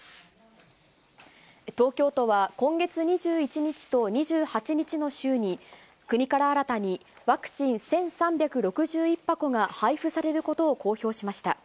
東京都は、今月２１日と２８日の週に、国から新たにワクチン１３６１箱が配布されることを公表しました。